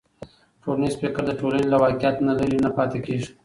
ټولنیز فکر د ټولنې له واقعیت نه لرې نه پاتې کېږي.